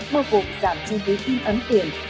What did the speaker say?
bao gồm giảm chi phí tiêm ấm tiền